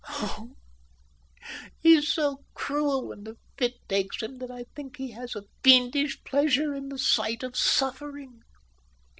Oh, he's so cruel when the fit takes him that I think he has a fiendish pleasure in the sight of suffering!"